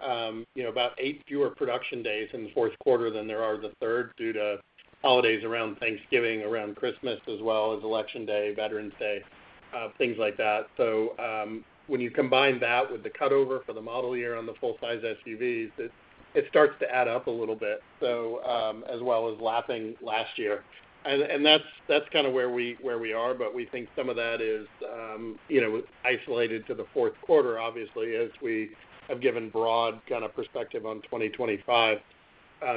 you know, about eight fewer production days in the fourth quarter than there are the third, due to holidays around Thanksgiving, around Christmas, as well as Election Day, Veterans Day, things like that. So, when you combine that with the cutover for the model year on the full-size SUVs, it starts to add up a little bit, so, as well as lapping last year. And that's kind of where we are, but we think some of that is, you know, isolated to the fourth quarter, obviously, as we have given broad kind of perspective on 2025.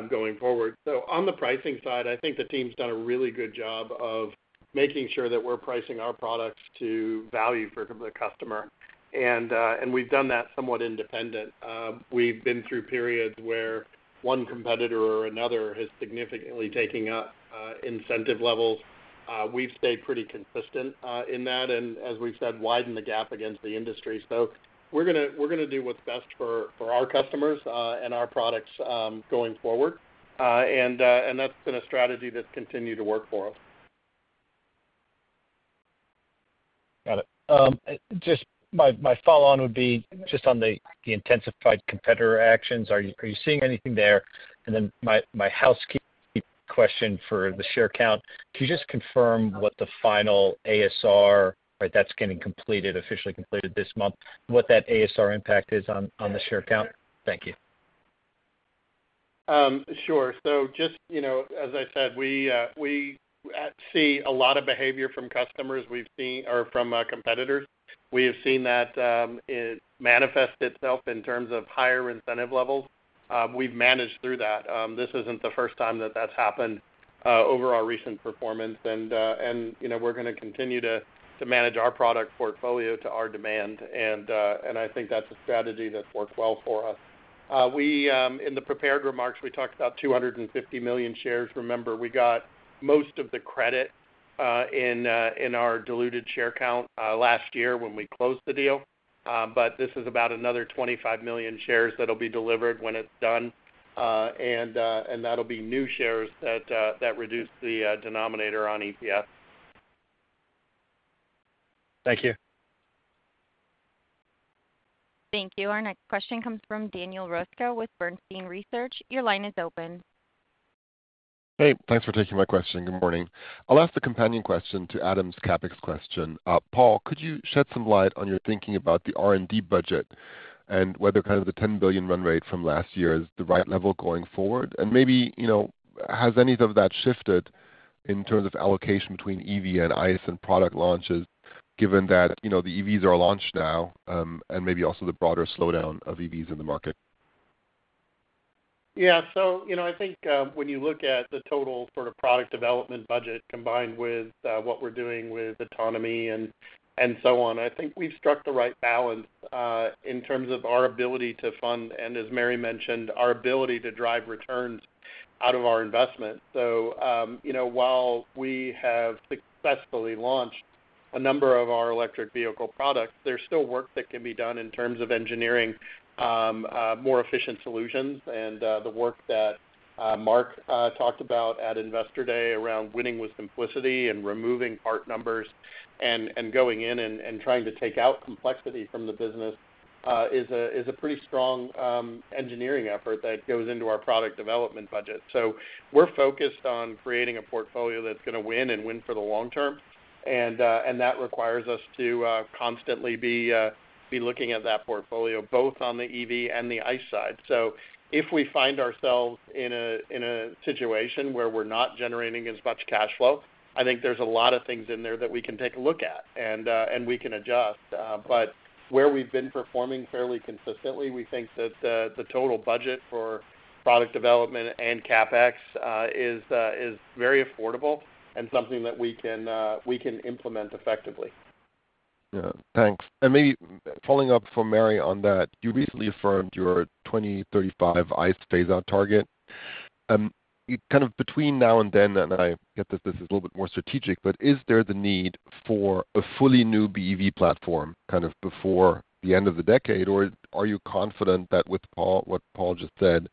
Going forward. On the pricing side, I think the team's done a really good job of making sure that we're pricing our products to value for the customer. And we've done that somewhat independent. We've been through periods where one competitor or another has significantly taken up incentive levels. We've stayed pretty consistent in that, and as we've said, widened the gap against the industry. We're gonna do what's best for our customers and our products going forward. And that's been a strategy that's continued to work for us. Got it. Just my follow-on would be just on the intensified competitor actions. Are you seeing anything there? And then my housekeeping question for the share count, can you just confirm what the final ASR that's getting completed, officially completed this month, what that ASR impact is on the share count? Thank you. Sure. So just, you know, as I said, we see a lot of behavior from customers we've seen or from competitors. We have seen that it manifest itself in terms of higher incentive levels. We've managed through that. This isn't the first time that that's happened over our recent performance, and you know, we're gonna continue to manage our product portfolio to our demand. And I think that's a strategy that's worked well for us. In the prepared remarks, we talked about 250 million shares. Remember, we got most of the credit in our diluted share count last year when we closed the deal, but this is about another 25 million shares that'll be delivered when it's done. And that'll be new shares that reduce the denominator on EPS. Thank you. Thank you. Our next question comes from Daniel Roeska with Bernstein Research. Your line is open. Hey, thanks for taking my question. Good morning. I'll ask a companion question to Adam's CapEx question. Paul, could you shed some light on your thinking about the R&D budget and whether kind of the $10 billion run rate from last year is the right level going forward? And maybe, you know, has any of that shifted in terms of allocation between EV and ICE and product launches, given that, you know, the EVs are launched now, and maybe also the broader slowdown of EVs in the market? Yeah, so, you know, I think when you look at the total sort of product development budget, combined with what we're doing with autonomy and so on, I think we've struck the right balance in terms of our ability to fund, and as Mary mentioned, our ability to drive returns out of our investment. So, you know, while we have successfully launched a number of our electric vehicle products, there's still work that can be done in terms of engineering more efficient solutions. And the work that Mark talked about at Investor Day around winning with simplicity and removing part numbers and going in and trying to take out complexity from the business is a pretty strong engineering effort that goes into our product development budget. So we're focused on creating a portfolio that's gonna win and win for the long term. And that requires us to constantly be looking at that portfolio, both on the EV and the ICE side. So if we find ourselves in a situation where we're not generating as much cash flow, I think there's a lot of things in there that we can take a look at, and we can adjust. But where we've been performing fairly consistently, we think that the total budget for product development and CapEx is very affordable and something that we can implement effectively. Yeah. Thanks. And maybe following up from Mary on that, you recently affirmed your 2035 ICE phase-out target. Kind of between now and then, and I get that this is a little bit more strategic, but is there the need for a fully new BEV platform kind of before the end of the decade? Or are you confident that with what Paul just said,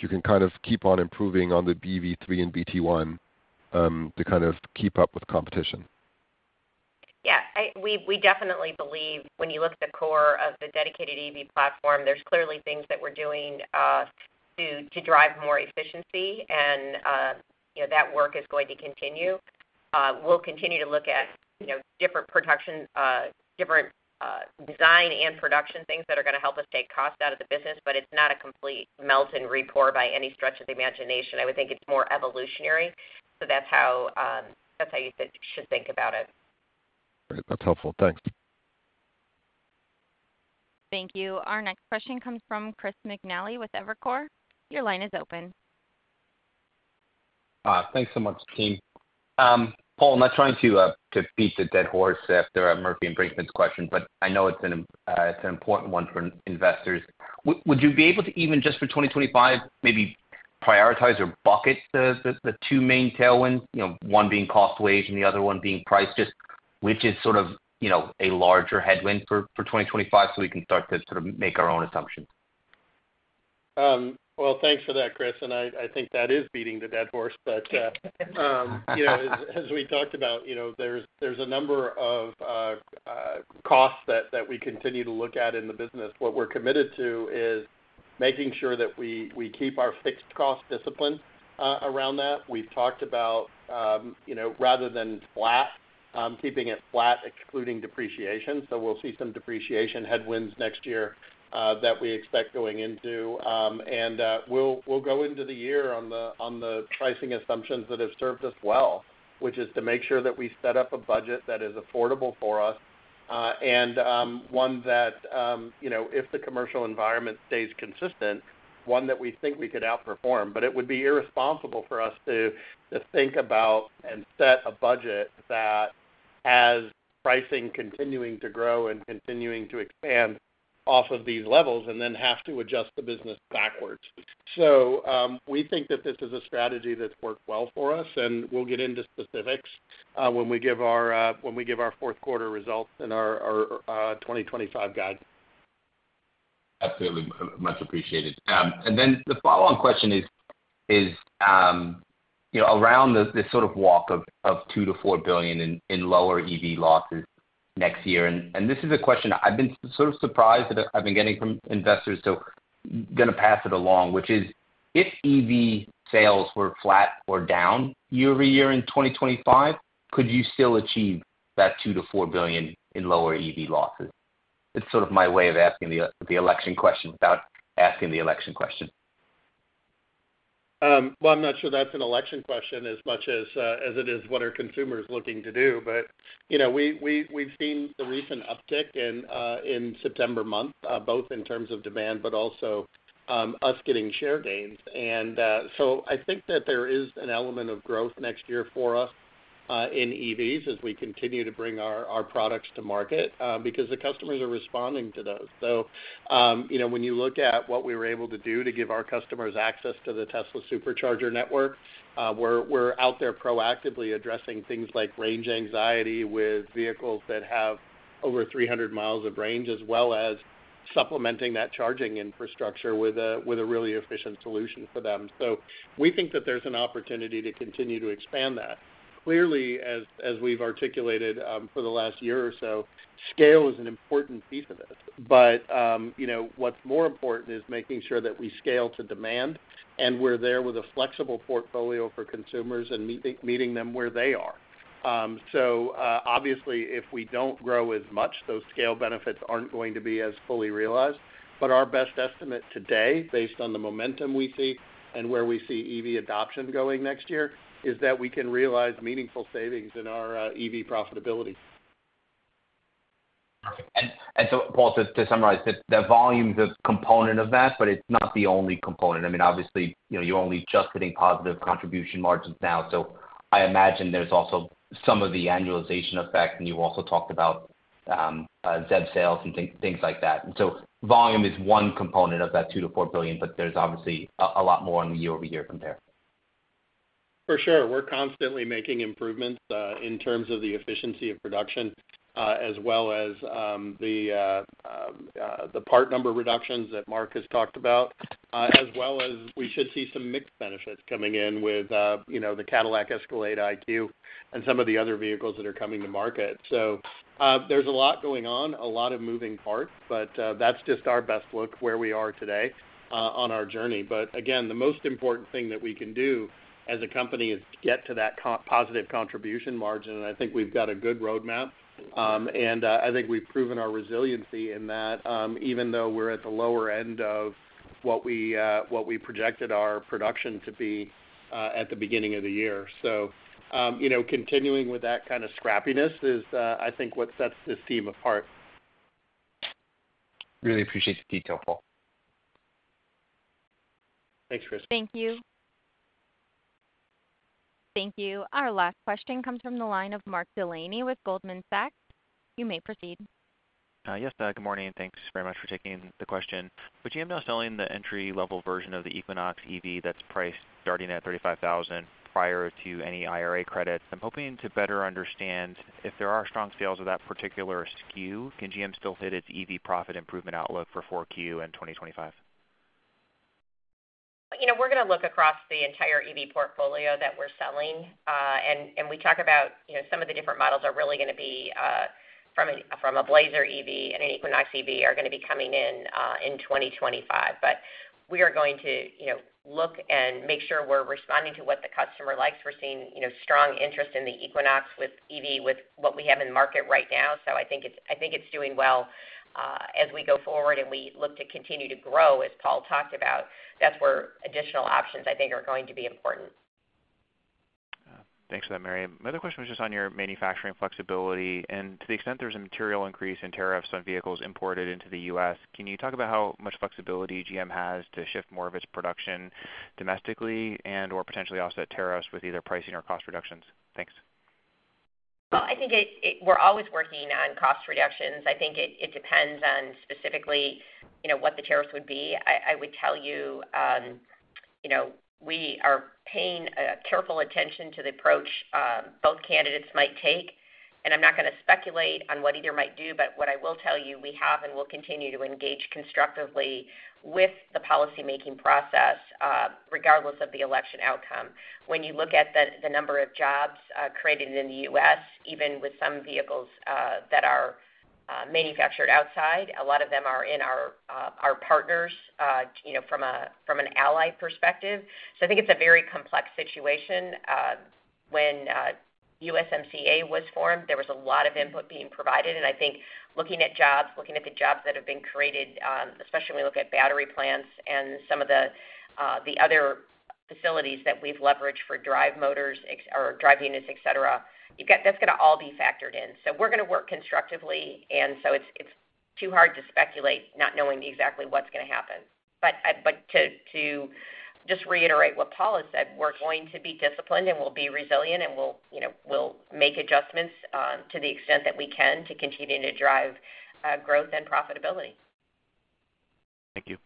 you can kind of keep on improving on the BEV3 and BT1 to kind of keep up with competition? Yeah, we definitely believe when you look at the core of the dedicated EV platform, there's clearly things that we're doing to drive more efficiency, and, you know, that work is going to continue. We'll continue to look at, you know, different production, different, design and production things that are gonna help us take cost out of the business, but it's not a complete melt and repour by any stretch of the imagination. I would think it's more evolutionary, so that's how that's how you should think about it. Great. That's helpful. Thanks. Thank you. Our next question comes from Chris McNally with Evercore. Your line is open. Thanks so much, team. Paul, I'm not trying to beat the dead horse after Murphy and Brinkman's question, but I know it's an important one for investors. Would you be able to, even just for 2025, maybe prioritize or bucket the two main tailwinds, you know, one being cost wage and the other one being price, just which is sort of, you know, a larger headwind for 2025, so we can start to sort of make our own assumptions? Well, thanks for that, Chris, and I think that is beating the dead horse. But you know, as we talked about, you know, there's a number of costs that we continue to look at in the business. What we're committed to is making sure that we keep our fixed cost discipline around that. We've talked about, you know, rather than flat, keeping it flat, excluding depreciation. So we'll see some depreciation headwinds next year that we expect going into. And we'll go into the year on the pricing assumptions that have served us well, which is to make sure that we set up a budget that is affordable for us... and one that, you know, if the commercial environment stays consistent, one that we think we could outperform. But it would be irresponsible for us to think about and set a budget that has pricing continuing to grow and continuing to expand off of these levels, and then have to adjust the business backwards. So, we think that this is a strategy that's worked well for us, and we'll get into specifics when we give our fourth quarter results and our 2025 guide. Absolutely, much appreciated. And then the follow-on question is, you know, around this sort of walk of $2 billion-$4 billion in lower EV losses next year, and this is a question I've been sort of surprised that I've been getting from investors, so gonna pass it along, which is: If EV sales were flat or down year-over-year in 2025, could you still achieve that $2 billion-$4 billion in lower EV losses? It's sort of my way of asking the election question without asking the election question. Well, I'm not sure that's an election question as much as as it is what are consumers looking to do? But, you know, we've seen the recent uptick in September month both in terms of demand, but also us getting share gains. I think that there is an element of growth next year for us in EVs as we continue to bring our products to market because the customers are responding to those. You know, when you look at what we were able to do to give our customers access to the Tesla Supercharger network, we're out there proactively addressing things like range anxiety with vehicles that have over 300 mi of range, as well as supplementing that charging infrastructure with a really efficient solution for them. So we think that there's an opportunity to continue to expand that. Clearly, as we've articulated, for the last year or so, scale is an important piece of this. But, you know, what's more important is making sure that we scale to demand, and we're there with a flexible portfolio for consumers and meeting them where they are. So, obviously, if we don't grow as much, those scale benefits aren't going to be as fully realized. But our best estimate today, based on the momentum we see and where we see EV adoption going next year, is that we can realize meaningful savings in our, EV profitability. Perfect. And so Paul, just to summarize, the volume's a component of that, but it's not the only component. I mean, obviously, you know, you're only just hitting positive contribution margins now, so I imagine there's also some of the annualization effect, and you also talked about ZEV sales and things like that. And so volume is one component of that $2 billion-$4 billion, but there's obviously a lot more on the year-over-year compare. For sure. We're constantly making improvements in terms of the efficiency of production, as well as the part number reductions that Mark has talked about, as well as we should see some mixed benefits coming in with, you know, the Cadillac Escalade IQ and some of the other vehicles that are coming to market. So, there's a lot going on, a lot of moving parts, but that's just our best look where we are today on our journey. But again, the most important thing that we can do as a company is to get to that positive contribution margin, and I think we've got a good roadmap. I think we've proven our resiliency in that, even though we're at the lower end of what we projected our production to be, at the beginning of the year. So, you know, continuing with that kind of scrappiness is, I think what sets this team apart. Really appreciate the detail, Paul. Thanks, Chris. Thank you. Thank you. Our last question comes from the line of Mark Delaney with Goldman Sachs. You may proceed. Good morning, and thanks very much for taking the question. With GM now selling the entry-level version of the Equinox EV that's priced starting at $35,000 prior to any IRA credits, I'm hoping to better understand if there are strong sales of that particular SKU, can GM still hit its EV profit improvement outlook for 4Q in 2025? We're gonna look across the entire EV portfolio that we're selling. And we talk about, you know, some of the different models are really gonna be from a Blazer EV and an Equinox EV, are gonna be coming in 2025. But we are going to, you know, look and make sure we're responding to what the customer likes. We're seeing, you know, strong interest in the Equinox EV with what we have in the market right now, so I think it's doing well. As we go forward and we look to continue to grow, as Paul talked about, that's where additional options, I think, are going to be important. Thanks for that, Mary. My other question was just on your manufacturing flexibility, and to the extent there's a material increase in tariffs on vehicles imported into the U.S., can you talk about how much flexibility GM has to shift more of its production domestically and/or potentially offset tariffs with either pricing or cost reductions? Thanks. I think we're always working on cost reductions. I think it depends on specifically, you know, what the tariffs would be. I would tell you, you know, we are paying careful attention to the approach both candidates might take, and I'm not gonna speculate on what either might do. But what I will tell you, we have and will continue to engage constructively with the policymaking process, regardless of the election outcome. When you look at the number of jobs created in the U.S., even with some vehicles that are manufactured outside, a lot of them are in our partners, you know, from an ally perspective. So I think it's a very complex situation. When USMCA was formed, there was a lot of input being provided, and I think looking at jobs, looking at the jobs that have been created, especially when we look at battery plants and some of the other facilities that we've leveraged for drive motors or drive units, et cetera, you've got that's gonna all be factored in. So we're gonna work constructively, and so it's too hard to speculate, not knowing exactly what's gonna happen. But to just reiterate what Paul has said, we're going to be disciplined, and we'll be resilient, and we'll, you know, we'll make adjustments to the extent that we can to continue to drive growth and profitability. Thank you.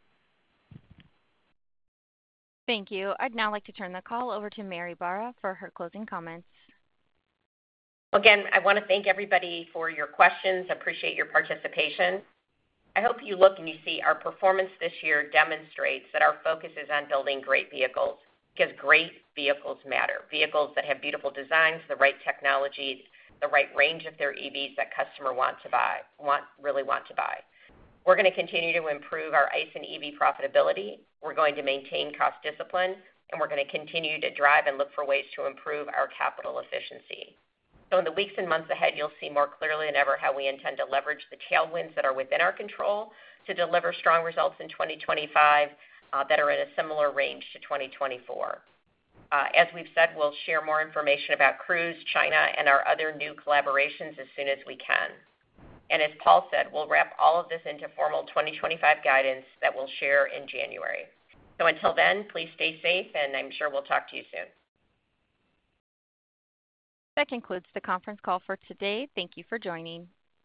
Thank you. I'd now like to turn the call over to Mary Barra for her closing comments. Again, I wanna thank everybody for your questions. Appreciate your participation. I hope you look and you see our performance this year demonstrates that our focus is on building great vehicles, 'cause great vehicles matter. Vehicles that have beautiful designs, the right technologies, the right range of their EVs that customer want to buy, really want to buy. We're gonna continue to improve our ICE and EV profitability, we're going to maintain cost discipline, and we're gonna continue to drive and look for ways to improve our capital efficiency. So in the weeks and months ahead, you'll see more clearly than ever how we intend to leverage the tailwinds that are within our control to deliver strong results in 2025 that are in a similar range to 2024. As we've said, we'll share more information about Cruise, China, and our other new collaborations as soon as we can. And as Paul said, we'll wrap all of this into formal 2025 guidance that we'll share in January. So until then, please stay safe, and I'm sure we'll talk to you soon. That concludes the conference call for today. Thank you for joining.